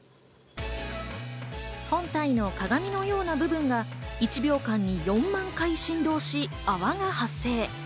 本体の鏡のような部分が１秒間に４万回振動し泡が発生。